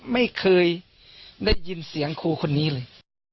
ไม่เคยได้ยินเสียงครูคนนี้เลย